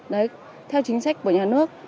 đấy theo chính sách của nhà nước